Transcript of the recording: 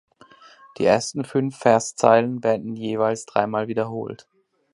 Die ersten fünf Verszeilen werden jeweils dreimal wiederholt.